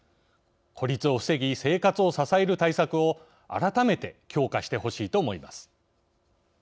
孤立を防ぎ、生活を支える対策を改めて強化してほしいと思います。